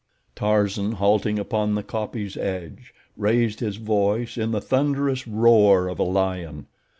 Tarzan, halting upon the kopje's edge, raised his voice in the thunderous roar of a lion.